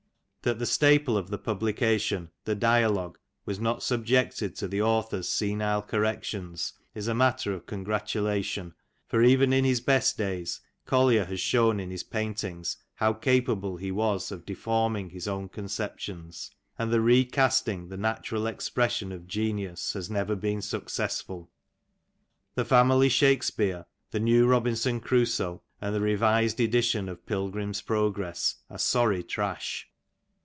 That the staple of the publication, the dialogue, was not subjected to the author^s senile corrections is matter of congratulation ; for even in his best days Collier has shown in his paintings how capable he was of deforming his own conceptions, and the recasting the natural expression of genius has never been successful. The Family Shake* spere^ the New Robinson Crusoe^ and the revised edition of PilgriniB Prcgress are sorry trash.